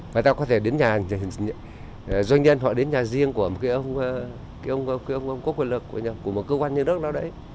người ta có thể đến nhà doanh nhân họ đến nhà riêng của một ông có quyền lực của một cơ quan nhà nước nào đấy